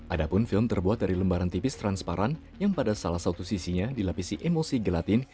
ada pun film terbuat dari lembaran tipis transparan yang pada salah satu sisinya dilapisi emosi gelatin